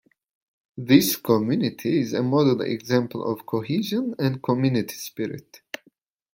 This community is a model example of cohesion and community spirit.